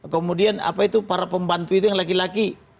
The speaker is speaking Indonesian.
kemudian apa itu para pembantu itu yang laki laki